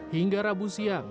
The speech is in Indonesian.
hingga rabu siang